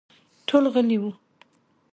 ټول غلي وو.